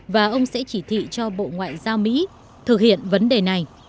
và ông sẽ chỉ thị cho bộ ngoại giao mỹ thực hiện vấn đề này